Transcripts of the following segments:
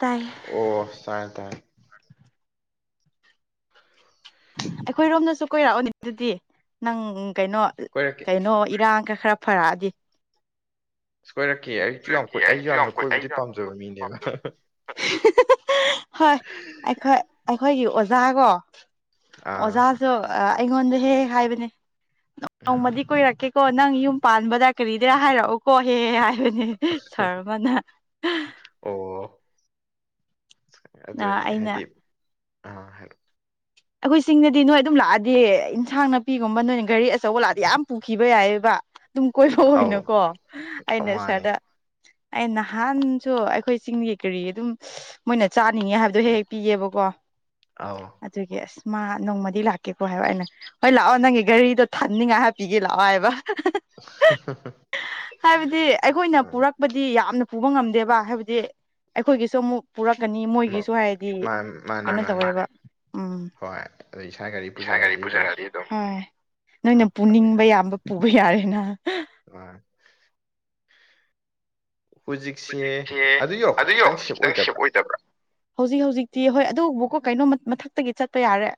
ꯇꯥꯏ ꯑꯣ ꯇꯥꯏꯦ ꯇꯥꯏ ꯑꯩꯈꯣꯏꯔꯣꯝꯗꯁꯨ ꯀꯣꯏꯔꯛꯑꯣꯅꯦ ꯑꯗꯨꯗꯤ ꯅꯪ ꯀꯩꯅꯣ ꯀꯣꯏꯔꯛꯀꯦ ꯀꯩꯅꯣ ꯏꯔꯥꯡ ꯈꯔ ꯐꯔꯛꯑꯗꯤ ꯑꯁ ꯀꯣꯏꯔꯛꯀꯦ ꯑꯩꯁꯨ ꯌꯥꯝ ꯀꯣꯏ ꯑꯩꯁꯨ ꯌꯥꯝ ꯌꯥꯝꯅ ꯑꯩ ꯀꯣꯏꯕꯗꯤ ꯌꯥꯝ ꯄꯥꯝꯖꯕ ꯃꯤꯅꯦꯕ ꯄꯝꯗꯕ ꯍꯣꯏ ꯑꯩꯈꯣꯏ ꯑꯩꯈꯣꯏꯒꯤꯖꯥ ꯑꯣꯖꯥꯒꯣ ꯑꯥ ꯑꯣꯖꯥꯁꯨ ꯑꯩꯉꯣꯟꯗ ꯍꯦꯛ ꯍꯦꯛ ꯍꯥꯏꯕꯅꯦ ꯑꯥ ꯅꯣꯡꯃꯗꯤ ꯀꯨꯏꯔꯛꯀꯦꯀꯣ ꯅꯪ ꯌꯨꯝ ꯄꯥꯟꯕꯗ ꯀꯔꯤꯗ ꯍꯥꯏꯔꯛꯎꯀꯣꯍꯦꯍꯦ ꯍꯥꯏ ꯅꯦ ꯁꯔꯃꯅ ꯑꯣ ꯑꯗꯨꯅꯤ ꯑꯩꯅ ꯍꯥꯏꯗꯤ ꯑꯥ ꯑꯩꯈꯣꯏ ꯆꯁꯤꯡꯅꯗꯤ ꯅꯣꯏ ꯑꯗꯨꯝ ꯂꯥꯛꯑꯗꯤ ꯏꯟꯁꯥꯡ ꯅꯥꯄꯤꯒꯨꯝꯕ ꯅꯣꯏꯅ ꯘꯔꯤ ꯑꯆꯧꯕ ꯂꯥꯛꯑꯗꯤ ꯌꯥꯝ ꯄꯨꯈꯤꯕ ꯌꯥꯏꯑꯕ ꯑꯗꯨꯝ ꯀꯣꯏꯕ ꯑꯧ ꯑꯣꯏꯅꯀꯣ ꯑꯩꯅ ꯃꯥꯅꯦ ꯁꯥꯔꯗ ꯑꯦ ꯅꯍꯥꯟꯁꯨ ꯑꯩꯈꯣꯏ ꯆꯤꯡꯒꯤ ꯀꯔꯤ ꯑꯗꯨꯝ ꯃꯣꯏꯅ ꯆꯥꯅꯤꯡꯉꯦ ꯍꯥꯏꯕꯗꯣ ꯍꯦꯛ ꯍꯦꯛ ꯄꯤꯌꯦꯕꯀꯣ ꯑ ꯑꯗꯨꯒꯤ ꯑꯁ ꯃꯥ ꯅꯣꯡꯃꯗꯤ ꯂꯥꯛꯀꯦꯀꯣ ꯍꯥꯏꯕ ꯑꯩꯅ ꯍꯣꯏ ꯂꯥꯛꯑꯣ ꯅꯪꯒꯤ ꯒꯥꯔꯤꯗꯣ ꯊꯥꯅꯤꯡꯉꯥꯏ ꯍꯥꯏꯞꯄꯤꯒꯦ ꯂꯥꯛꯑꯣ ꯍꯥꯏꯕ ꯍꯥꯏꯕꯗꯤ ꯑꯩꯈꯣꯏꯅ ꯑꯥ ꯄꯨꯔꯛꯄꯗꯤ ꯌꯥꯝꯅ ꯄꯨꯕ ꯉꯝꯗꯦꯕ ꯍꯥꯏꯕꯗꯤ ꯑꯩꯈꯣꯏꯒꯤꯁꯨ ꯑꯃꯨꯛ ꯄꯨꯔꯛꯀꯅꯤ ꯃꯥ ꯃꯣꯏꯒꯤꯁꯨ ꯍꯥꯏꯗꯤ ꯃꯥ- ꯃꯥꯅꯦ ꯑꯃ ꯃꯥꯅꯦ ꯇꯧꯔꯕ ꯎꯝ ꯏꯁꯥ ꯒꯥꯔꯤ ꯄꯨꯖꯔꯛꯑꯗꯤ ꯑꯗꯨꯝ ꯅꯣꯏꯅ ꯍꯥꯞ ꯌꯥꯕꯨꯗꯤ ꯄꯨꯅꯤꯡꯕ ꯍꯥꯞ ꯌꯥꯝꯕ ꯄꯨꯕ ꯌꯥꯔꯦꯅ ꯃꯥꯅꯦ ꯍꯧꯖꯤꯛꯁꯦ ꯑꯗꯨꯣ ꯍꯧꯖꯤꯛ ꯈꯤꯇꯪ ꯁꯦꯞ ꯑꯣꯏꯗꯕ꯭ꯔꯥ ꯍꯧꯖꯤꯛ ꯍꯧꯖꯤꯛꯇꯤ ꯍꯣꯏ ꯑꯗꯨꯕꯨꯀꯣ ꯀꯩꯅꯣ ꯃꯊꯛꯇꯒꯤ ꯆꯠꯄ ꯌꯥꯔꯦ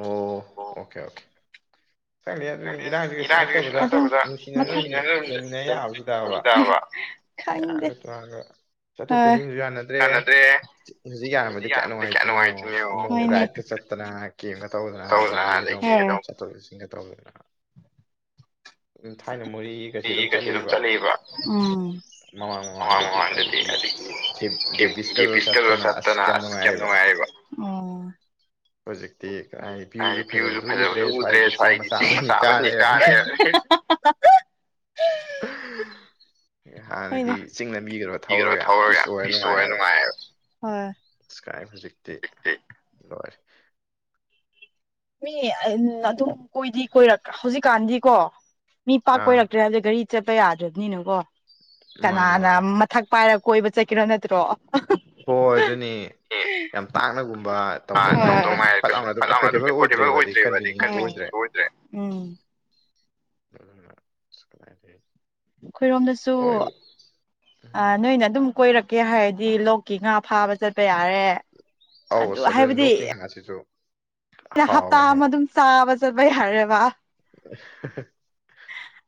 ꯑꯣ ꯑꯣ ꯑꯣꯀꯦ ꯑꯣꯀꯦ ꯆꯪꯂꯤ ꯑꯗꯨꯅꯤ ꯏꯔꯥꯡꯁꯦ ꯀꯩꯁꯨ ꯅꯠꯇꯕꯗ ꯅꯨꯡꯁꯤꯅꯅ ꯂꯩꯃꯤꯟꯅ ꯌꯥꯕꯁꯨ ꯇꯥꯕ ꯈꯪꯗꯦ ꯌꯥꯒ ꯇꯣꯒ ꯆꯠꯊꯣꯛ ꯍꯣꯏ ꯆꯠꯁꯤꯟꯁꯨ ꯌꯥꯅꯗ꯭ꯔꯦ ꯀꯥꯟꯅꯗ꯭ꯔꯦ ꯍꯧꯖꯤꯛ ꯌꯥꯔꯕꯗꯤ ꯀꯌꯥ ꯅꯨꯡꯉꯥꯏꯇꯣꯏꯅꯤꯣ ꯑꯃ ꯔꯥꯏꯗꯇ ꯆꯠꯇꯅ ꯏꯁꯦꯝꯒ ꯇꯧꯗꯅ ꯑꯗꯒꯤ ꯑꯗꯨꯝ ꯆꯠꯊꯣꯛ ꯆꯠꯁꯤꯟꯒ ꯇꯧꯗꯅ ꯑꯗꯨꯝ ꯊꯥꯏꯅ ꯃꯣꯔꯦꯒꯁꯤ ꯑꯩ ꯀꯩꯁꯤ ꯑꯗꯨꯝ ꯆꯠꯂꯛꯏꯕ ꯆꯠꯂꯕ ꯃꯃꯥꯡ ꯑ ꯃꯃꯥꯡꯗꯗꯤ ꯑꯗꯒꯤ ꯋꯥꯗꯗꯤ ꯒꯦꯕꯤꯁꯀꯗꯣ ꯄꯤꯁꯇꯜ ꯆꯠꯇꯅ ꯑꯁ ꯁꯥꯇꯅ ꯑ ꯀꯌꯥꯝ ꯀꯦꯝꯅ ꯅꯨꯡꯉꯥꯏꯌꯦꯕ ꯎꯝ ꯍꯧꯖꯤꯛꯇꯤ ꯀꯗꯥꯏ ꯚ꯭ꯌꯨꯁꯨ ꯍꯥꯏꯗꯤ ꯄꯤꯌꯨꯁꯨ ꯐꯖꯕꯁꯨ ꯎꯗ꯭ꯔꯦ ꯆꯤꯡ ꯁ꯭ꯋꯥꯏꯒꯤ ꯃꯆꯥ ꯏꯁꯤꯡ ꯑꯃꯅꯤ ꯀꯥ ꯃꯆꯥꯅꯤ ꯀꯥꯔꯦ ꯂꯩꯔꯕꯅꯤ [unintelligible] ꯍꯥꯟꯅꯗꯤ ꯆꯤꯡꯅꯕꯤꯒꯗ꯭ꯔꯕ ꯄꯤꯒꯗꯕ ꯊꯧꯔꯒ ꯄꯤꯁ ꯌꯥꯝ ꯑꯣꯏꯦ ꯅꯨꯡꯉꯥꯏ ꯑꯣꯏꯔ ꯅꯨꯡꯉꯥꯏꯌꯦꯕ ꯍꯣꯏ ꯑꯗꯩ ꯀꯥꯏ ꯍꯧꯖꯤꯛꯇꯤ ꯂꯔꯦ ꯃꯤ ꯑꯗꯨꯝ ꯀꯣꯏꯗꯤ ꯀꯣꯏꯔꯛ ꯍꯧꯖꯤꯛꯀꯥꯟꯗꯤꯀꯣ ꯃꯤ ꯄꯥꯛ ꯑꯥ ꯀꯣꯏꯔꯛꯇ꯭ꯔꯦ ꯑꯗꯨꯗ ꯒꯥꯔꯤ ꯆꯠꯄ ꯌꯥꯗ꯭ꯔꯕꯅꯤꯅꯀꯣ ꯃꯥꯅꯦ ꯀꯅꯥꯅ ꯃꯥꯅꯦ ꯃꯊꯛ ꯄꯥꯏꯔꯛꯄ ꯀꯣꯏꯕ ꯆꯠꯀꯔꯣ ꯅꯠꯇ꯭ꯔꯣ ꯍꯣꯏ ꯑꯗꯨꯅꯤ ꯌꯥꯝ ꯇꯥꯛꯅꯒꯨꯝꯕ ꯇꯧꯗꯧꯉꯥꯏꯔ ꯀꯩꯁꯨ ꯐꯠ ꯂꯥꯎꯅ ꯑꯗꯨꯝ ꯑꯦꯐꯣꯔꯗꯦꯕꯜ ꯑꯣꯏ ꯊ ꯑꯣꯏꯗ꯭ꯔꯦꯕ ꯀꯟꯁꯨ ꯑꯣꯏꯗ꯭ꯔꯦ ꯎꯝ ꯑꯩꯈꯣꯏꯔꯣꯝꯗꯁꯨ ꯅꯣꯏꯅ ꯑꯗꯨꯝ ꯀꯣꯏꯔꯛꯀꯦ ꯍꯥꯏꯔꯗꯤ ꯂꯣꯛꯀꯤ ꯉꯥ ꯐꯥꯕ ꯆꯠꯄ ꯌꯥꯔꯦ ꯑꯧꯁ ꯑꯗꯨ ꯂꯣꯛꯀꯤꯡ ꯍꯥꯥꯁꯤꯁꯨ ꯑꯩꯅ ꯍꯞꯇꯥ ꯑꯃ ꯑꯗꯨꯝ ꯆꯥꯕ ꯆꯠꯄ ꯌꯥꯔꯦꯕ [unintelligible]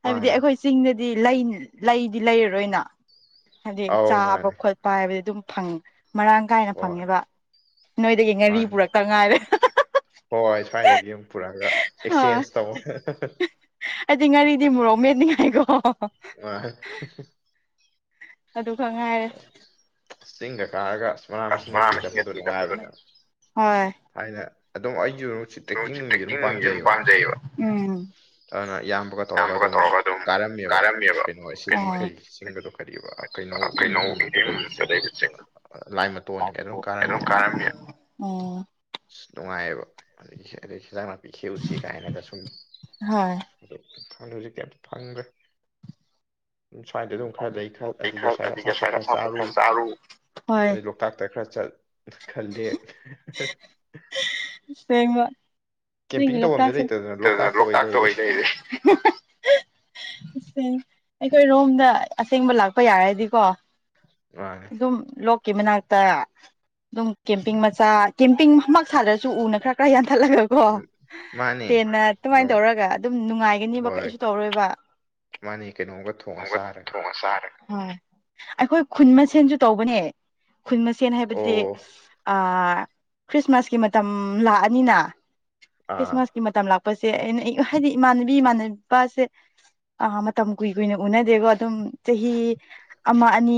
ꯍꯥꯏꯕꯗꯤ ꯃꯥꯅꯤ ꯑꯩꯈꯣꯏ ꯆꯤꯡꯗꯗꯤ ꯂꯩ ꯂꯩꯗꯤ ꯂꯩꯔꯔꯣꯏꯅ ꯍꯥꯏꯗꯤ ꯑꯧ ꯆꯥꯕ ꯃꯥꯅꯤ ꯈꯣꯠꯄ ꯍꯥꯏꯕꯗꯤ ꯑꯗꯨꯝ ꯐꯪꯉ ꯃꯔꯥꯡ ꯀꯥꯏꯅ ꯍꯣꯏ ꯐꯪꯉꯦꯕ ꯅꯣꯏꯗꯒꯤ ꯉꯥꯔꯤ ꯄꯨꯔꯛꯀ ꯉꯥꯏꯔꯦ ꯍꯣꯏ ꯍꯣꯏ ꯁ꯭ꯋꯥꯏꯗꯒꯤ ꯑꯃꯝ ꯄꯨꯔꯛꯑꯒ ꯑꯦꯛꯆꯦꯟꯖ ꯇꯧ ꯍꯥꯏꯗꯤ ꯉꯥꯔꯤꯗꯤ ꯃꯣꯔꯣꯛ ꯃꯦꯠꯅꯤꯡꯉꯥꯏꯀꯣ ꯑ ꯑꯗꯨ ꯈ ꯉꯥꯏꯔꯦ ꯑꯁ ꯆꯤꯡꯒ ꯀꯥꯔꯒ ꯃꯅꯥ ꯃꯁꯤꯡꯒ ꯊꯤ ꯆꯠꯄꯗꯣ ꯅꯨꯡꯉꯥꯏꯕꯅꯦꯕ ꯍꯣꯏ ꯊꯥꯏꯅ ꯑꯗꯨꯝ ꯅꯣꯡꯁꯤ ꯇ꯭ꯔꯦꯛꯀꯤꯡ ꯑꯗꯨꯝ ꯇ꯭ꯔꯦꯛꯀꯤꯡꯁꯦ ꯄꯥꯟꯖꯩꯌꯦꯕ ꯄꯥꯝꯖꯩꯌꯦꯕ ꯎꯝ ꯑꯗꯨꯅ ꯏꯌꯥꯝꯕꯒ ꯇꯧꯔꯒ ꯑꯗꯨꯝ ꯀꯥꯔꯝꯃꯦꯕ ꯀꯩꯅꯣ ꯁꯤꯒꯤ ꯈꯔꯤ ꯆꯤꯡꯒꯗꯣ ꯈꯔꯤꯕꯔꯤꯕ ꯀꯩꯅꯣ ꯏꯗꯤꯗ ꯂꯩꯕ ꯆꯤꯡꯕꯗ ꯑꯗꯩꯗ ꯆꯤꯡ ꯂꯥꯏ ꯃꯇꯣꯟ ꯀ ꯑꯗꯨꯝ ꯀꯥꯔꯝꯃꯤ ꯎꯝ ꯅꯨꯡꯉꯥꯏꯌꯦꯕ ꯑꯗꯒꯤ ꯑꯗꯩ ꯍꯦꯟꯖꯥꯡ ꯅꯥꯄꯤ ꯈꯦꯎꯁꯤ ꯀꯥꯏꯅꯒ ꯁꯨꯝ ꯍꯣꯏ ꯑꯗꯨ ꯍꯧꯖꯤꯛꯇꯤ ꯑꯝꯇ ꯐꯪꯈ꯭ꯔꯦ ꯁ꯭ꯋꯥꯏꯗ ꯑꯗꯨꯝ ꯈꯔ ꯂꯩ ꯈꯔ ꯑꯗꯒꯤ ꯁ꯭ꯃꯥꯏꯅ ꯑꯁꯥ ꯣꯏ ꯈꯔ ꯆꯥꯔꯨ ꯍꯣꯏ ꯑꯗꯩ ꯂꯣꯛꯇꯥꯛꯇ ꯈꯔ ꯆꯠ ꯈꯜꯗꯦ ꯁꯦꯡ ꯅꯪꯒꯤ ꯇꯧꯕꯝꯁꯦ ꯂꯣꯛꯇꯥꯛꯁꯤ ꯂꯩꯇꯗꯅ ꯑꯣꯏ ꯂꯣꯛꯇꯥꯛꯇ ꯂꯩꯔꯦ ꯑꯣꯏꯅ ꯂꯩꯁꯦ ꯑꯩꯈꯣꯏ ꯔꯣꯝꯗ ꯑꯁꯦꯡꯕ ꯂꯥꯛꯄ ꯌꯥꯔꯗꯤꯀꯣ ꯃꯥꯅꯦ ꯑꯗꯨ ꯑꯗꯨꯝ ꯂ ꯀ ꯃꯅꯥꯛꯇ ꯑꯗꯨꯝ ꯀꯦꯝꯄꯤꯡ ꯃꯆꯥ ꯀꯦꯝꯄꯤꯡ ꯁꯥꯗ꯭ꯔꯁꯨ ꯎꯅ ꯈꯔ ꯈꯔ ꯊꯠꯂꯒ ꯀꯣ ꯎꯝ ꯃꯥꯅꯦ ꯇꯦꯟꯅ ꯑꯗꯨꯃꯥꯏꯅ ꯑꯗꯨꯒ ꯇꯧꯔꯒ ꯑꯗꯨꯝ ꯅꯨꯡꯉꯥꯏꯒꯅꯤꯕ ꯍꯣꯏ ꯀꯩꯁꯨ ꯇꯧꯔꯣꯏꯕ ꯃꯥꯅꯦ ꯀꯩꯅꯣꯝꯒ ꯊꯣꯡꯑ ꯊꯣꯡꯉ ꯆꯥꯔꯒ ꯊꯣꯡꯉ ꯆꯥꯔꯦ ꯍꯣꯏ ꯑꯩꯈꯣꯏ ꯈꯨꯟ ꯃꯁꯦꯟꯁꯨ ꯇꯧꯕꯅꯦ ꯈꯨꯟ ꯃꯁꯦꯟ ꯍꯥꯏꯕꯗꯤ ꯑꯣ ꯑ ꯄꯁꯦ ꯑꯩꯅ ꯍꯥꯏꯗꯤ ꯏꯃꯥꯟꯅꯕꯤ ꯏꯃꯥꯟꯅꯕꯁꯦ ꯑꯥ ꯃꯇꯝ ꯀꯨꯏ ꯀꯨꯏꯅ ꯎꯅꯗꯦꯀꯣ ꯑꯗꯨꯝ ꯆꯍꯤ ꯑꯃ ꯑꯅꯤ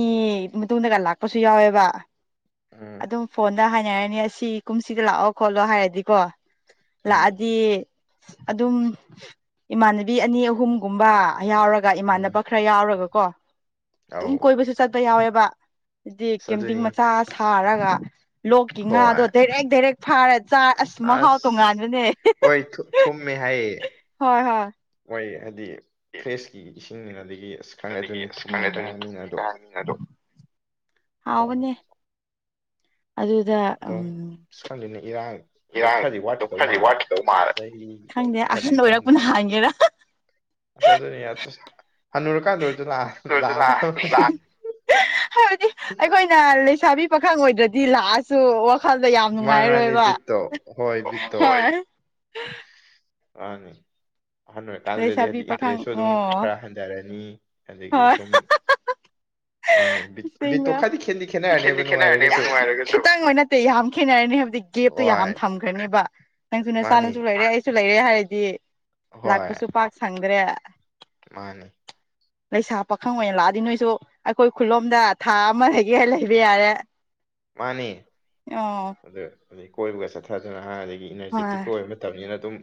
ꯃꯇꯨꯡꯗꯒ ꯂꯥꯛꯄꯁꯨ ꯌꯥꯎꯋꯦꯕ ꯑꯗꯨꯝ ꯐꯣꯟ ꯗ ꯍꯥꯏꯅꯔꯅꯤ ꯑꯁꯤ ꯀꯨꯝꯁꯤꯗ ꯂꯥꯛꯑꯣ ꯈꯣꯠꯂꯣ ꯍꯥꯏꯔꯗꯤꯀꯣ ꯂꯥꯛꯑꯗꯤ ꯑꯗꯨꯝ ꯏꯃꯥꯟꯅꯕꯤ ꯑꯅꯤ ꯑꯍꯨꯝꯒꯨꯝꯕ ꯌꯥꯎꯔꯒ ꯏꯃꯥꯟꯅꯕ ꯈꯔ ꯌꯥꯎꯔꯒ ꯀꯣ ꯑꯗꯨꯝ ꯀꯣꯏꯕꯁꯨ ꯆꯠꯄ ꯌꯥꯎꯋꯦꯕ ꯗꯤ ꯀꯝꯇ ꯃꯆꯥ ꯉ ꯂꯣꯛꯀꯤ ꯉꯥꯗꯣ ꯍꯣꯏ ꯗꯥꯏꯔꯦꯛ ꯗꯥꯏꯔꯦꯛ ꯐꯥꯔ ꯆꯥ ꯑꯁ ꯃꯍꯥꯎ ꯇꯣꯡꯉꯥꯟꯕꯅꯦ ꯍꯣꯏ ꯊꯨꯝꯃꯦ ꯍꯥꯏ ꯍꯣꯏ ꯍꯣꯏ ꯍꯥꯏꯗꯤ ꯐ꯭ꯔꯦꯁꯀꯤ ꯏꯁꯤꯡꯅꯤꯅ ꯑꯗꯒꯤ ꯑꯁ ꯈꯪꯉꯦ ꯑꯗꯒꯤ ꯑꯗꯨꯅꯤ ꯑꯁ ꯈꯪꯉꯦ ꯊꯨꯝꯃꯦ ꯀ ꯍꯥꯏ ꯃꯤꯅ ꯑꯗꯣ ꯍꯅꯦ ꯗꯥꯎꯗꯤ ꯑꯗꯨꯗ ꯎ ꯑꯗꯨꯝ ꯑꯁ ꯈꯪꯗꯦꯅꯦ ꯏꯔꯥꯡ ꯑꯗꯨꯝ ꯏꯔꯥꯡ ꯈꯔꯗꯤ ꯋꯥꯠꯈꯤꯗꯧ ꯈꯔ ꯃꯥꯜꯂꯦ ꯋꯥꯠꯗꯧ ꯃꯥ ꯆꯍꯤ ꯈꯪꯗꯦ ꯑꯍꯟ ꯑꯣꯏꯔꯛꯄꯅ ꯍꯥꯡꯒꯦꯔ ꯑ ꯑꯗꯨꯅꯤ ꯌꯥ ꯍꯥꯏꯕꯗꯤ ꯑꯩꯈꯣꯏꯅ ꯁꯥꯕꯤ ꯄꯥꯈꯪ ꯑꯣꯏꯗ꯭ꯔꯗꯤ ꯂꯥꯛꯑꯁꯨ ꯋꯥꯈꯜꯗ ꯌꯥꯝ ꯃꯥꯅꯤ ꯃꯥꯅꯤ ꯅꯨꯡꯉꯥꯏꯔꯣꯏꯕ ꯕꯤꯠꯇꯣ ꯍꯣꯏ ꯍꯣꯏ ꯑꯅꯦ ꯑꯍꯜ ꯑꯣꯏꯔꯀꯥꯟꯗꯨꯗꯗꯤ ꯂꯩꯁꯥꯕꯤ ꯍꯥꯏꯗꯤ ꯄꯥꯈꯪ ꯏꯟꯇꯔꯦꯁꯁꯨ ꯑꯗꯨꯝ ꯑꯣ ꯈꯔ ꯍꯟꯊꯔꯅꯤ ꯑꯗꯒꯤ ꯁꯨꯝ ꯍ ꯃꯥꯅꯦ ꯕꯤꯠ ꯕꯤꯠꯇꯣ ꯕ ꯈꯔꯗꯤ ꯈꯦꯠꯗꯤ ꯈꯦꯠꯅꯔꯅꯦꯕ ꯅꯨꯡꯉꯥꯏꯔꯒꯁꯨ ꯈꯦꯅꯔ ꯈꯤꯇꯪ ꯅꯠꯇꯦ ꯌꯥꯝ ꯈꯦꯠꯅꯔꯅꯤ ꯍꯥꯏꯕꯗꯤ ꯒꯦꯞꯇꯨ ꯍꯣꯏ ꯌꯥꯝ ꯊꯝꯈ꯭ꯔꯅꯦꯕ ꯅꯪꯁꯨ ꯅ ꯃꯥꯅꯤ ꯆꯥꯅꯁꯨ ꯂꯩꯔꯦ ꯑꯩꯁꯨ ꯂꯩꯔꯦ ꯍꯥꯏꯔꯗꯤ ꯂꯥꯛꯄꯁꯨ ꯄꯥꯛ ꯁꯪꯗ꯭ꯔꯦ ꯃꯥꯅꯦ ꯂꯩꯁꯥ ꯄꯥꯈꯪ ꯑꯣꯏꯅ ꯂꯥꯛꯑꯗꯤ ꯅꯣꯏꯁꯨ ꯑꯩꯈꯣꯏ ꯈꯨꯂꯣꯝꯗ ꯊꯥ ꯑꯃꯗꯒꯤ ꯂꯩꯕ ꯌꯥꯔꯦ ꯃꯥꯅꯤ ꯑꯣ ꯑꯗꯨ ꯑꯩ ꯀꯣꯏꯕꯒ ꯆꯠꯊꯗꯨꯅꯥꯟ ꯑꯗꯒꯤ ꯏꯅꯔꯖꯤꯦꯇꯤꯛꯀꯤ ꯑꯣꯏꯕ ꯃꯇꯝꯅꯤꯅ ꯑꯗꯨꯝ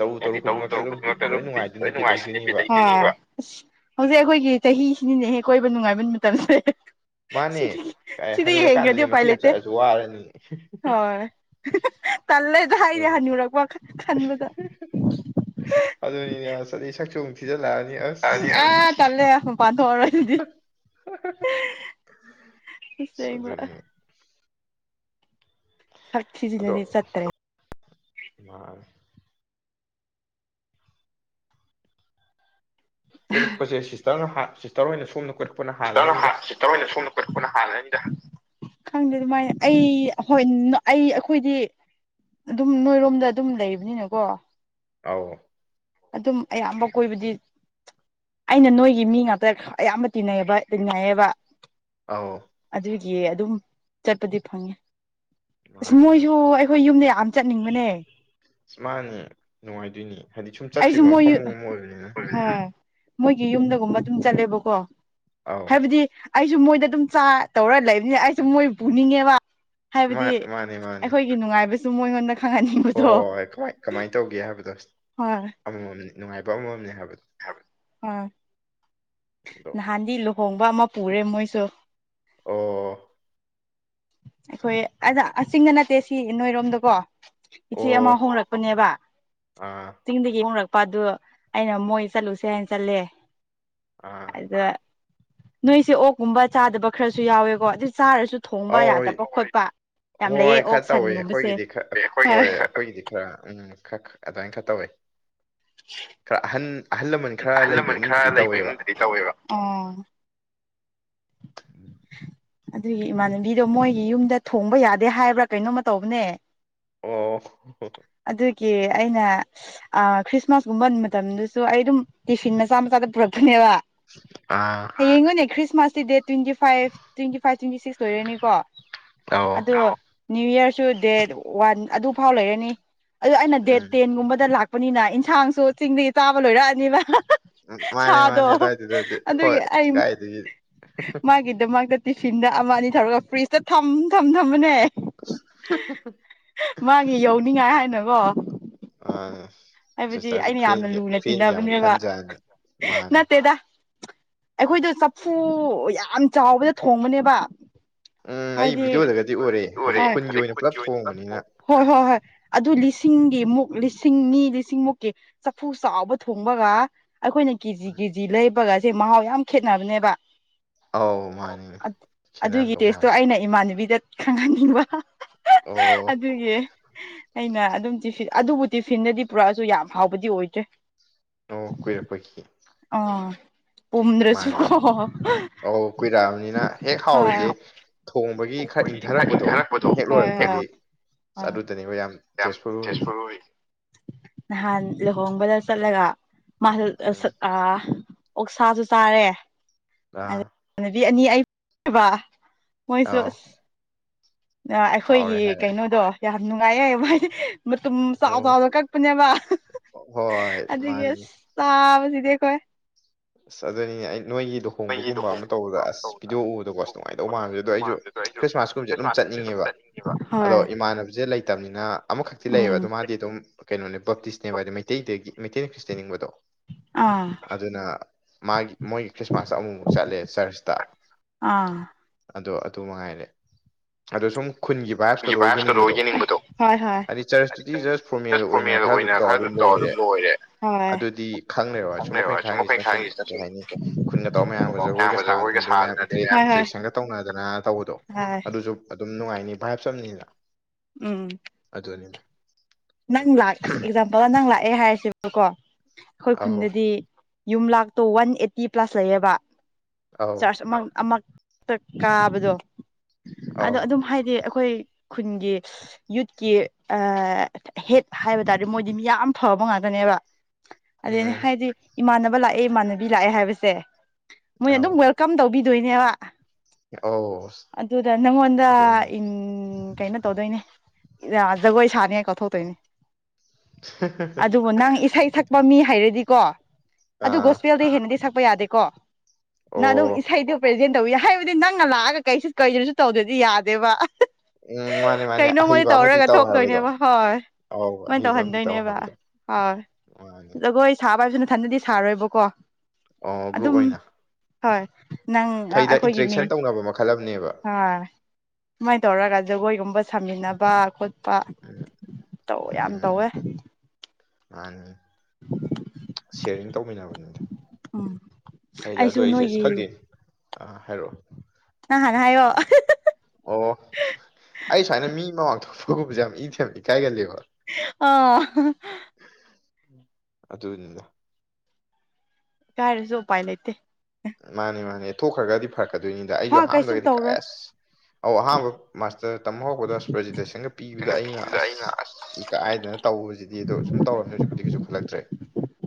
ꯇꯧꯔꯨ ꯇꯧꯔꯨ ꯍꯥꯏꯗꯤ ꯇꯔꯨ ꯇꯔꯨ ꯕꯤꯠ ꯈꯨꯗꯤꯡꯃꯛꯇ ꯂꯣꯏ ꯑꯗꯨꯝ ꯂꯣꯏ ꯅꯨꯡꯉꯥꯏꯗꯣꯏꯅꯤ ꯕꯤꯠ ꯅꯨꯡꯉꯥꯏꯁꯤꯅꯦ ꯂꯩꯗꯣꯏꯅꯦꯕ ꯐꯤꯕ ꯍꯧꯖꯤꯛ ꯑꯩꯈꯣꯏꯒꯤ ꯆꯍꯤꯁꯤꯅꯤꯅꯦꯍꯦꯛ ꯀꯣꯏꯕ ꯅꯨꯡꯉꯥꯏꯕ ꯃꯇꯝꯁꯦ ꯁꯤ ꯃꯥꯅꯦ ꯑꯦ ꯁꯤꯗꯤ ꯌꯦꯡꯒ꯭ꯔꯗꯤ ꯍꯅꯨꯔꯀꯥꯟꯗꯗꯤ ꯎꯄꯥꯏ ꯃꯇꯦꯛ ꯑꯃ ꯂꯩꯇꯦ ꯆꯠꯂꯁꯨ ꯋꯥꯔꯅꯤ ꯍꯣꯏ ꯇꯜꯂꯦꯗ ꯑꯗꯨ ꯍꯥꯏꯅꯦ ꯈꯟꯨꯔꯛ ꯋꯥ ꯈꯟꯕꯗ ꯑꯗꯨ ꯑꯗꯨꯅꯤ ꯁꯆꯣ ꯑ ꯆꯂꯦ ꯄꯥꯊ ꯋꯥꯔꯗꯤ [unintelligible] ꯑꯁ ꯕ ꯑꯗꯨꯅꯤ ꯁꯥꯁꯤꯤ ꯖꯤꯂꯦꯅꯦ ꯆꯠꯇꯔꯦ ꯃꯥ ꯀꯣꯏꯔꯛꯄꯁꯦ ꯁꯤꯁꯇꯔꯅ ꯁꯤꯁꯇꯔ ꯑꯣꯏꯅ ꯁꯣꯝꯅ ꯀꯣꯏꯔꯛꯄꯅ ꯈꯤꯇꯪ ꯍꯥꯜꯂꯅꯤꯗ ꯈꯤꯠꯇꯪ ꯑꯣꯏꯅ ꯁꯣꯝꯅ ꯈꯣꯠꯄꯅ ꯍꯜꯂꯅꯤꯗ ꯈꯪꯗꯦ ꯑꯗꯨꯃꯥꯏꯅ ꯑꯩ ꯍꯣꯏ ꯑꯩ ꯑꯩꯈꯣꯏꯗꯤ ꯑꯗꯨꯝ ꯅꯣꯏꯔꯣꯝꯗ ꯑꯗꯨꯝ ꯂꯩꯕꯅꯤꯅꯀꯣ ꯑ ꯑꯗꯨꯝ ꯑꯌꯥꯝꯕ ꯀꯣꯏꯕꯗꯤ ꯑꯩꯅ ꯅꯣꯏꯒꯤ ꯃꯤ ꯉꯥꯛꯇ ꯑꯌꯥꯝꯕ ꯇꯤꯟꯅꯩꯌꯦꯕ ꯇꯤꯟꯅꯥꯏꯌꯦꯕ ꯑ ꯌꯦ ꯑꯗꯨꯝ ꯆꯠꯄꯗꯤ ꯐꯪꯉꯦ ꯑꯁ ꯃꯥꯅꯦ ꯑꯗꯣ ꯃꯣꯏꯁꯨ ꯑꯩꯈꯣꯏ ꯌꯨꯝꯗ ꯌꯥꯝ ꯆꯠꯅꯤꯡꯕꯅꯦ ꯑ ꯃꯥꯅꯦ ꯅꯨꯡꯉꯥꯏꯗꯣꯏꯅꯤ ꯍꯥꯏꯗꯤ ꯁꯨꯝ ꯑꯩꯁꯨ ꯆꯠꯇ꯭ꯔꯤꯕ ꯃꯣꯏ ꯃꯐꯝ ꯃ ꯑꯃ ꯑꯣꯏꯕꯅꯤꯅ ꯍꯣꯏ ꯃꯣꯏꯒꯤ ꯌꯨꯝꯗꯒꯨꯝꯕ ꯑꯗꯨꯝ ꯆꯠꯂꯦꯕꯀꯣ ꯑꯧ ꯍꯥꯏꯕꯗꯤ ꯑꯩꯁꯨ ꯃꯣꯏꯗ ꯑꯗꯨꯝ ꯆꯥ ꯇꯧꯔ ꯂꯩꯕꯅꯦ ꯑꯩꯁꯨ ꯃꯣꯏ ꯄꯨꯅꯤꯡꯉꯦꯕ ꯃꯥ ꯍꯥꯏꯕꯗꯤ ꯃꯥꯅꯦ ꯃꯥꯅꯦ ꯑꯩꯈꯣꯏꯒꯤ ꯅꯨꯡꯉꯥꯏꯕꯁꯨ ꯃꯣꯏꯉꯣꯟꯗ ꯍꯣꯏ ꯈꯪꯍꯟꯅꯤꯡꯕꯗꯣ ꯍꯣꯏ ꯍꯣꯏ ꯀꯃꯥꯏ ꯀꯃꯥꯏꯅ ꯇꯧꯒꯦ ꯍꯥꯏꯕꯗꯣ ꯍꯣꯏ ꯑꯃꯃꯝꯅꯤ ꯅꯨꯡꯉꯥꯏꯕ ꯑꯃꯝꯅꯦ ꯍꯥꯏꯕꯗ ꯑꯥ ꯅꯍꯥꯟꯗꯤ ꯂꯨꯍꯣꯡꯕ ꯑꯃ ꯄꯨꯔꯦ ꯃꯣꯏꯁꯨ ꯑꯣ ꯑꯩꯈꯣꯏ ꯑ ꯑꯁꯤꯤꯡꯗ ꯅꯠꯇꯦ ꯁꯤ ꯅꯣꯏꯔꯣꯝꯗꯀꯣ ꯏꯆꯦ ꯑꯃ ꯑꯣ ꯍꯣꯡꯂꯛꯄꯅꯦꯕ ꯑꯥ ꯆꯤꯡꯗꯒꯤ ꯍꯣꯡꯂꯛꯄ ꯅꯨꯄꯥꯗꯨꯣ ꯑꯩꯅ ꯃꯣꯏ ꯆꯠꯂꯨꯁꯦ ꯍꯥꯏꯅ ꯆꯠꯂꯦ ꯑꯥ ꯑꯗ ꯅꯣꯏꯁꯦ ꯑꯣꯛꯀꯨꯝꯕ ꯆꯥꯗꯕ ꯈꯔꯁꯨ ꯌꯥꯎꯋꯦꯀꯣ ꯑꯗꯨ ꯆꯥꯔꯁꯨ ꯊꯣꯡꯕ ꯑꯧ ꯍꯣꯏ ꯌꯥꯗꯕ ꯈꯣꯠꯄ ꯌꯥꯝ ꯂꯩꯌꯦ ꯍꯣꯏ ꯈꯔ ꯑꯣꯛ ꯇꯧꯋꯤ ꯁꯟꯒꯨꯝꯕꯁꯦ ꯑꯩꯈꯣꯏꯒꯤꯗꯤ ꯈꯔ ꯍꯣꯏ ꯑꯩꯈꯣꯏꯒꯤꯗꯤ ꯑꯩꯈꯣꯏꯒꯤꯗꯤ ꯈꯔ ꯎꯝ ꯈꯔ ꯑꯗꯨꯃꯥꯏꯅ ꯈꯔ ꯇꯧꯋꯦ ꯈꯔ ꯑꯍꯟ ꯑꯍꯜ ꯂꯃꯟ ꯈꯔ ꯑꯍꯜ ꯂꯩꯕ ꯂꯃꯟ ꯏꯃꯨꯡꯗꯗꯤ ꯈꯔ ꯂꯩꯕ ꯇꯧꯋꯦꯕ ꯏꯃꯨꯡꯗꯗꯤ ꯇꯧꯋꯦꯕ ꯑꯣ ꯑꯗꯨꯒꯤ ꯏꯃꯥꯟꯅꯕꯤꯗꯣ ꯃꯣꯏꯒꯤ ꯌꯨꯝꯗ ꯊꯣꯡꯕ ꯌꯥꯗꯦ ꯍꯥꯏꯕ꯭ꯔꯥ ꯀꯩꯅꯣꯃ ꯇꯧꯕꯅꯦ ꯎ ꯀꯦ ꯑꯩꯅ ꯈ꯭ꯔꯤꯁꯃꯥꯁꯀꯨꯝꯕ ꯃꯇꯝꯗꯨꯁꯨ ꯑꯩ ꯑꯗꯨꯝ ꯇꯤꯐꯤꯟ ꯃꯆꯥ ꯃꯆꯥꯗ ꯄꯨꯔꯛꯄꯅꯦꯕ ꯑꯥ ꯍꯉꯅꯦ Christmas date twenty five twenty five twenty six ꯑꯣꯏꯔꯅꯤꯀꯣ ꯑꯧ ꯑꯗꯣ ꯅ꯭ꯌꯨ ꯌꯔꯁꯨ ꯗꯦꯠ ꯋꯥꯟ ꯑꯗꯨꯐꯥꯎ ꯂꯩꯔꯅꯤ ꯑꯗꯨ ꯑꯩꯅ ꯗꯦꯠ ꯎꯝ ꯇꯦꯟꯒꯨꯝꯕꯗ ꯂꯥꯛꯄꯅꯤꯅ ꯏꯟꯁꯥꯡꯁꯨ ꯆꯤꯡꯗꯒꯤ ꯆꯥꯕ ꯂꯣꯏꯔꯛꯑꯅꯦꯕ ꯃꯥꯅꯦ ꯁꯥꯗꯣ ꯃꯥꯅꯦ ꯑꯗꯨꯋꯥꯏꯗꯨꯗꯗꯤ ꯍꯣꯏ ꯑꯗꯨꯒꯤ ꯑꯩ ꯀꯥꯏꯗꯒꯤ ꯃꯥꯒꯤꯗ ꯃꯥꯛꯇ ꯇꯤꯐꯤꯟꯗ ꯑꯃ ꯑꯅꯤ ꯊꯧꯔꯒ ꯐ꯭ꯔꯤꯖꯇ ꯊꯝ ꯊꯝ ꯊꯝꯕꯅꯦ ꯃꯥꯒꯤ ꯌꯧꯅꯤꯡꯉꯥꯏ ꯍꯥꯏꯅꯅꯕꯣ ꯑ ꯁꯤꯁꯇꯔꯁꯨ ꯌꯥꯝꯅ ꯐꯒ ꯂꯨꯅ ꯐꯦꯟꯒꯦ ꯌꯥꯝ ꯇꯤꯟꯅꯕꯅꯦꯕ ꯈꯟꯖ ꯍꯥꯏꯅꯤ ꯃꯥꯅꯤ ꯑꯩꯈꯣꯏꯗ ꯆꯐꯨ ꯌꯥꯝ ꯆꯥꯎꯕꯗ ꯊꯣꯡꯕꯅꯦꯕ ꯎꯝ ꯑꯩ ꯍꯥꯏꯗꯤ ꯚꯤꯗꯤꯑꯣꯗꯒꯗꯤ ꯎꯔꯦ ꯍꯥꯏꯗꯤ ꯈꯨꯟꯒꯤ ꯑꯣꯏꯅ ꯄꯨꯂꯞ ꯊꯣꯡꯕꯅꯤꯅ ꯍꯣꯏ ꯍꯣꯏ ꯍꯣꯏ ꯑꯗꯨ ꯂꯤꯁꯤꯡꯒꯤ ꯃꯨꯛ ꯂꯤꯁꯤꯡꯅꯤ ꯂꯤꯁꯤꯡꯃꯨꯛꯀꯤ ꯆꯐꯨ ꯆꯥꯎꯕ ꯊꯣꯡꯕꯒ ꯑꯩꯈꯣꯏꯅ ꯀꯦꯖꯤ ꯀꯦꯖꯤ ꯂꯩꯕꯒꯁꯦ ꯃꯍꯥꯎ ꯌꯥꯝ ꯈꯦꯠꯅꯕꯅꯦꯕ ꯑꯧ ꯃꯥꯅꯤꯅꯦ ꯑꯗꯨꯒꯤ ꯈꯦꯠꯅꯔꯝꯗꯧ ꯇꯦꯁꯇꯣ ꯃꯥꯜꯂꯦ ꯑꯩꯅ ꯏꯃꯥꯟꯅꯕꯤꯗ ꯈꯪꯍꯟꯅꯤꯡꯕ ꯑꯣ ꯑꯗꯨꯒꯤ ꯑꯩꯅ ꯑꯗꯨꯝ ꯇꯤꯐꯤꯟ ꯑꯗꯨꯕꯨ ꯇꯤꯐꯤꯟꯗꯗꯤ ꯄꯨꯔꯛꯑꯁꯨ ꯌꯥꯝ ꯍꯥꯎꯕꯗꯤ ꯑꯣꯏꯗ꯭ꯔꯦ ꯑꯣ ꯀꯨꯏꯔꯛꯄꯒꯤ ꯑꯥ ꯄꯗ꯭ꯔꯁꯨ ꯍ ꯃꯥꯅꯤ ꯑꯧ ꯀꯨꯏꯔꯛꯑꯕꯅꯤꯅ ꯍꯦꯛ ꯍꯥꯎꯔꯤꯁꯦ ꯊꯣꯡꯕꯒꯤ ꯈꯔ ꯏꯪꯊꯔꯛꯄꯗꯣ ꯍꯦꯛ ꯊꯛꯄ ꯂꯣꯏꯔꯛꯄꯒꯤ ꯑꯁ ꯑꯗꯨꯗꯅꯦꯕ ꯌꯥꯝ ꯇꯦꯁꯐꯨꯜ ꯑꯣꯏꯔꯤꯁꯦ ꯇꯦꯖꯄꯨꯔ ꯑꯣꯏ ꯅꯍꯥꯟ ꯂꯨꯍꯣꯡꯕꯗ ꯆꯠꯂꯒ ꯃꯥꯜ ꯎꯝ ꯑꯣꯛꯁꯥꯁꯨ ꯆꯥꯔꯦ ꯑ ꯑꯗꯨꯒ ꯅꯨꯄꯤ ꯑꯅꯤ ꯑꯩꯕ ꯃꯣꯏꯁꯨ ꯑꯧ ꯑꯁ ꯑꯩꯈꯣꯏꯒꯤ ꯍꯥꯎꯔꯦ ꯍꯥꯏꯔꯦ ꯀꯩꯅꯣꯗꯣ ꯌꯥꯝ ꯅꯨꯡꯉꯥꯏꯌꯦ ꯃꯣꯏꯗꯤ ꯃꯇꯨꯝ ꯆꯥꯎ ꯑꯣ ꯆꯥꯎꯅ ꯀꯛꯄꯅꯦꯕ ꯍꯣꯏ ꯑꯗꯨꯗꯒꯤ ꯑ ꯃꯥꯅꯤ ꯆꯥꯕꯁꯤꯗꯤ ꯍꯣꯏ ꯑꯁ ꯑꯗꯨꯅꯤꯅꯦ ꯑꯩ ꯅꯣꯏꯒꯤ ꯂꯨꯍꯣꯡꯕꯒꯨꯝꯕ ꯑꯃ ꯂꯨꯍꯣꯡꯕꯒꯤ ꯇꯧꯕꯗ ꯄꯥꯛ ꯑꯁ ꯇꯧꯗ ꯚꯗꯤꯑꯣ ꯎꯕꯗꯣꯀ ꯑꯁ ꯂꯨꯍꯣꯡꯕ ꯅꯨꯡꯉꯥꯏꯇꯧꯕ ꯃꯥꯟꯁꯦ ꯁꯨꯃꯥꯏꯅ ꯑꯗꯣ ꯇꯧꯕ ꯑꯩꯁꯨ ꯃꯥꯟꯕꯗꯣ ꯈ꯭ꯔꯤꯁꯃꯥꯁ ꯀꯨꯝꯕꯁꯦ ꯑꯗꯨꯝ ꯈ꯭ꯔꯤꯁꯃꯥꯁꯀꯨꯝꯕꯁꯦ ꯆꯠꯅꯤꯡꯉꯦꯕ ꯑꯗꯣ ꯍꯣꯏ ꯏꯃꯥꯟꯅꯕꯁꯦ ꯂꯩꯇꯕꯅꯤꯅ ꯑꯃꯈꯛꯇꯤ ꯂꯩꯌꯦꯕ ꯎꯝ ꯑꯗꯨꯗ ꯃꯥꯗꯤ ꯑꯗꯨꯝ ꯀꯩꯅꯣꯅꯦ ꯕꯣꯞꯇꯤꯁꯅꯦꯕ ꯍꯥꯏꯗꯤ ꯃꯩꯇꯩꯗꯒꯤ ꯃꯩꯇꯩꯅ ꯈ꯭ꯔꯤꯁꯇꯦꯟꯅꯤꯡꯕꯗꯣ ꯑꯥ ꯑꯗꯨꯅ ꯃꯥꯒꯤ ꯃꯣꯏꯒꯤ ꯈ꯭ꯔꯤꯁꯃꯥꯁ ꯑꯃꯨꯛꯃ ꯆꯠꯂꯦ ꯆꯔꯆꯇ ꯑꯥ ꯑꯗꯣ ꯑꯗꯨ ꯃꯉꯥꯏꯔꯦ ꯑꯗꯣ ꯁꯨꯝ ꯈꯨꯟꯒꯤ ꯒꯤ ꯚꯥꯏꯔꯁꯇꯗꯣ ꯚꯥꯏꯞꯁꯀꯗꯣ ꯌꯦꯡꯅꯤꯡꯕꯗꯣ ꯍꯣꯏ ꯍꯣꯏ ꯍꯥꯏꯗꯤ ꯆꯔꯁꯇꯨꯗꯤ ꯖꯁ ꯐꯣꯔꯃꯦꯜ ꯑꯣꯏꯅ ꯈꯔꯗꯨ ꯇꯧ ꯈꯔꯁꯨ ꯑꯗꯨꯝ ꯇꯧꯔ ꯑꯣꯏꯔꯦ ꯂꯣꯏꯔꯦ ꯍꯣꯏ ꯑꯗꯨꯗꯤ ꯈꯪꯦꯕ ꯁꯨꯝ ꯑꯩꯣꯏꯅ ꯈꯪꯉꯤꯁꯤꯅ ꯁꯨꯝ ꯀꯩ ꯍꯥꯏꯅꯤ ꯈꯨꯠꯅ ꯇꯧ ꯃꯌꯥꯝꯒ ꯖꯒꯣꯏꯒ ꯁꯥꯗꯅꯗꯤ ꯃꯌꯥꯝ ꯏꯟꯇꯔꯦꯛꯁꯟꯒ ꯇꯧꯅꯗꯅ ꯇꯧꯕꯗꯣ ꯍꯣꯏ ꯑꯗꯨꯁꯨ ꯑꯗꯨꯝ ꯅꯨꯡꯉꯥꯏꯅꯤ ꯚꯥꯏꯞꯆꯝꯅꯤꯅ ꯎꯝ ꯑꯗꯨꯅꯤꯅ ꯅꯪ ꯂ ꯑ ꯑꯦꯛꯖꯥꯝꯄꯜ ꯅꯪ ꯂꯥꯛꯑꯦ ꯍꯥꯏꯔꯁꯦꯕꯀꯣ ꯑꯩꯈꯣꯏ ꯑꯧ ꯈꯨꯟꯗꯗꯤ ꯌꯨꯝ ꯂꯥꯛꯇꯣ ꯋꯥꯟ ꯑꯦꯠꯇꯤ ꯄ꯭ꯂꯥꯁ ꯂꯩꯌꯦꯕ ꯑꯧ ꯆꯥꯔꯖ ꯀꯥꯕꯗꯣ ꯑꯗꯣ ꯑꯧ ꯑꯗꯨꯝ ꯍꯥꯏꯗꯤ ꯑꯩꯈꯣꯏ ꯈꯨꯟꯒꯤ ꯌꯨꯠꯀꯤ ꯍꯦꯠ ꯍꯥꯏꯕ ꯇꯥꯔꯗꯤ ꯃꯣꯏꯗꯤ ꯃꯤ ꯌꯥꯝ ꯐꯕ ꯉꯥꯛꯇꯅꯦꯕ ꯑꯗꯨꯅ ꯎꯝ ꯍꯥꯏꯗꯤ ꯏꯃꯥꯟꯅꯕ ꯂꯥꯛꯑꯦ ꯏꯃꯥꯟꯅꯕꯤ ꯂꯥꯛꯑꯦ ꯍꯥꯏꯕꯁꯦ ꯃꯣꯏꯅ ꯑꯧ ꯑꯗꯨꯝ ꯋꯦꯜꯀꯝ ꯇꯧꯕꯤꯗꯣꯏꯅꯦꯕ ꯑꯧ ꯑꯗꯨꯗ ꯅꯪꯉꯣꯟꯗ ꯑꯗꯨꯅꯤ ꯀꯩꯅꯣ ꯇꯧꯗꯣꯏꯅꯦ ꯖꯒꯣꯏ ꯁꯥꯅꯤ ꯀꯠꯊꯣꯛꯇꯣꯏꯅꯦ ꯑꯗꯨꯕꯨ ꯅꯪ ꯏꯁꯩ ꯁꯛꯄ ꯃꯤ ꯍꯥꯏꯔꯗꯤꯀꯣ ꯑꯗꯨ ꯑꯥ ꯒꯣꯁꯄꯦꯜꯗꯤ ꯍꯦꯟꯅꯗꯤ ꯁꯛꯄ ꯌꯥꯗꯦꯀꯣ ꯅ ꯑꯣ ꯑꯗꯨꯝ ꯏꯁꯩꯗꯤ ꯄ꯭ꯔꯖꯦꯟ ꯇꯧꯏ ꯍꯥꯏꯕꯗꯤ ꯅꯪꯅ ꯂꯥꯛꯑꯒ ꯀꯩꯁꯨ ꯀꯩꯁꯨ ꯇꯧꯗ꯭ꯔꯗꯤ ꯌꯥꯗꯦꯕ ꯎꯝ ꯃꯥꯅꯦ ꯃꯥꯅꯦ ꯑꯍꯩꯕ ꯀꯩꯅꯣꯃꯣꯏꯗꯤ ꯑꯃꯗꯤ ꯇꯧꯔꯒ ꯇꯧ ꯍꯥꯏꯕꯗꯣ ꯊꯣꯛꯇꯣꯏꯅꯦꯕ ꯍꯣꯏ ꯑꯧ ꯃꯣꯏ ꯑꯍꯩꯕ ꯑꯃꯗꯤ ꯇꯧ ꯇꯧꯍꯟꯗꯣꯏꯅꯦꯕ ꯍꯥꯏꯕꯗꯣ ꯃꯥꯅꯦ ꯍꯣꯏ ꯖꯒꯣꯏ ꯁꯥꯕ ꯍꯥꯏꯁꯨ ꯅꯊꯟꯗꯗꯤ ꯁꯥꯔꯣꯏꯕꯀꯣ ꯑꯣ ꯒ꯭ꯔꯨꯞ ꯑꯗꯨꯝ ꯑꯣꯏꯅ ꯍꯣꯏ ꯅꯪ ꯐꯩꯗ ꯑꯩꯈꯣꯏꯒꯤ ꯃꯤ ꯏꯟꯇꯔꯦꯛꯁꯟ ꯇꯧꯅꯕ ꯃꯈꯜ ꯑꯃꯅꯦꯕ ꯁꯨꯃꯥꯏꯅ ꯇꯧꯔꯒ ꯖꯒꯣꯏꯒꯨꯝꯕ ꯁꯥꯃꯤꯟꯅꯕ ꯈꯣꯠꯄ ꯎꯝ ꯇꯧ ꯌꯥꯝ ꯎꯝ ꯇꯧꯋꯦ ꯃꯥꯅꯤ ꯁꯤꯌꯥꯔꯤꯡ ꯇꯧꯃꯤꯟꯅꯕꯅꯤꯗ ꯎꯝ ꯐꯩꯔ ꯑꯗꯣ ꯑꯩꯁꯨ ꯑꯩꯁꯦ ꯅꯣꯏꯒꯤ ꯈꯗꯦ ꯑ ꯍꯥꯏꯔꯛꯑꯣ ꯅꯍꯥꯟꯅ ꯍꯥꯏꯌꯣ ꯑꯣ ꯑꯩ ꯁꯨꯃꯥꯏꯅ ꯃꯤ ꯃꯃꯥꯡ ꯊꯣꯛꯄꯒꯨꯝꯕꯁꯦ ꯌꯥꯝ ꯏꯊꯦꯝ ꯏꯀꯥꯏꯒꯂꯦꯕ [unintelligible] ꯑꯗꯨꯗ ꯀꯥꯏꯔꯦꯁꯨ ꯎꯄꯥꯏ ꯂꯩꯇꯦ ꯃꯥꯅꯤ ꯃꯥꯅꯦ ꯊꯣꯛꯈ꯭ꯔꯒꯗꯤ ꯐꯔꯛꯀꯗꯣꯏꯅꯤꯗ ꯑꯩꯁꯨ ꯍꯣꯏ ꯀꯩꯁꯨ ꯍꯥꯝꯂꯒꯗꯤ ꯇꯧꯔꯣꯏ ꯀꯁ ꯑꯍꯥꯟꯕ ꯃꯥꯁꯇꯔ ꯇꯝꯕ ꯍꯧꯕꯗ ꯄ꯭ꯔꯖꯦꯟꯇꯦꯁꯟꯒ ꯄꯤꯕꯗ ꯑꯩꯅ ꯑꯁ ꯏ ꯀꯥꯏꯗꯅ ꯇꯧꯕꯁꯤꯗꯤ ꯑꯗꯣ ꯁꯨꯝ ꯇꯧꯔꯝꯃꯤ ꯍꯧꯖꯤꯛꯄꯗꯤꯛ ꯀꯩꯁꯨ ꯈꯜꯂꯛꯇ꯭ꯔꯦ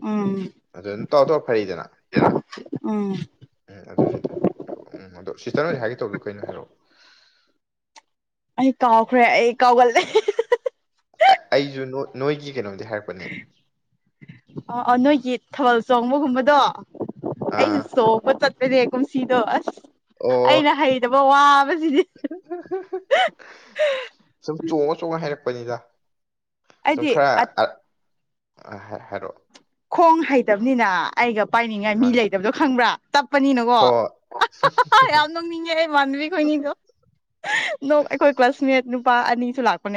ꯎꯝ ꯑꯗꯨ ꯇꯧꯔ ꯇꯧ ꯐꯔꯤꯗꯅ ꯎꯝ ꯎꯝ ꯑꯗꯨꯅꯤꯗ ꯎꯝ ꯁꯤꯁꯇ ꯅꯣꯏꯁ ꯍꯥꯏꯒꯦ ꯇꯧꯕꯗꯣ ꯑꯩꯈꯣꯏꯩꯅꯣ ꯍꯥꯏꯔꯛꯑꯣ ꯑꯩ ꯀꯥꯎꯈ꯭ꯔꯦ ꯑꯩ ꯀꯥꯎꯒꯜꯂꯦ ꯑꯩꯁꯨ ꯅꯣꯏꯒꯤ ꯀꯩꯅꯣꯝꯗꯤ ꯍꯥꯏꯔꯛꯄꯅꯦ ꯑ ꯑ ꯅꯣꯏꯒꯤ ꯊꯥꯕꯜ ꯆꯣꯡꯕꯒꯨꯝꯕꯗꯣ ꯑꯩꯁꯨ ꯑꯥ ꯆꯣꯡꯕ ꯆꯠꯄꯅꯦ ꯀꯨꯝꯁꯤꯗꯣ ꯑꯁ ꯑꯣ ꯑꯩꯅ ꯍꯩꯇꯕ ꯋꯥꯕꯁꯤꯗꯤ ꯁꯨꯝ ꯆꯣꯡꯉ ꯆꯣꯡꯉ ꯍꯥꯏꯔꯛꯄ ꯊꯣꯛꯅꯤꯗ ꯁꯨꯝ ꯑꯩꯗꯤ ꯈꯔ ꯍꯥꯏꯔꯛꯑꯣ ꯈꯣꯡ ꯍꯩꯇꯕꯅꯤꯅ ꯑꯩꯒ ꯄꯥꯏꯅꯤꯡꯉꯥꯏ ꯃꯤ ꯂꯩꯇꯕꯗꯣ ꯈꯪꯕ꯭ꯔꯥ ꯇꯞꯄꯅꯤꯅꯀꯣ ꯌꯥꯝ ꯅꯣꯡꯅꯤꯡꯉꯦ ꯃꯥꯟꯅꯕꯤ ꯈꯣꯏꯅꯤꯗꯣ ꯑꯩꯈꯣꯏ ꯀ꯭ꯂꯁ ꯃꯤꯅꯤꯠ ꯅꯨꯄꯥ ꯑꯅꯤꯁꯨ ꯂꯥꯛꯄꯅꯦ